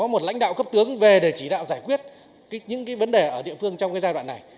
một lãnh đạo cấp tướng về để chỉ đạo giải quyết những vấn đề ở địa phương trong giai đoạn này